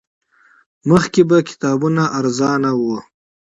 مخکې به کتابونه ارزان وو